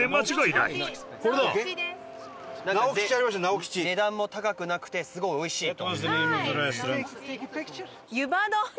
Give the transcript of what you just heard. ウエンツ：値段も高くなくてすごいおいしいと。